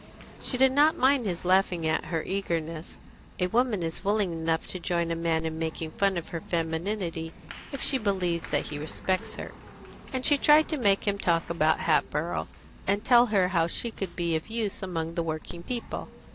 She did not mind his laughing at her eagerness (a woman is willing enough to join a man in making fun of her femininity if she believes that he respects her), and she tried to make him talk about Hatboro', and tell her how she could be of use among the working people.